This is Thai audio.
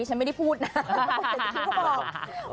ฉันไม่ได้พูดนะ